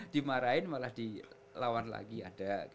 dimarahin malah dilawan lagi ada